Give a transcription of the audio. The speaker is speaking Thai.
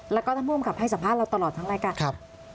แล้วก็ท่านผู้อำกับให้สัมภาษณ์เราตลอดทั้งรายการค่ะ